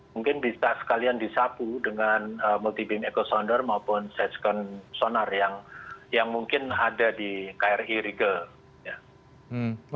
mungkin bisa sekalian disapu dengan multi beam echo sounder maupun sidescon sonar yang mungkin ada di kri regal